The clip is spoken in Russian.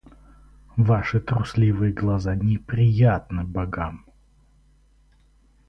Ваши трусливые глаза неприятны богам.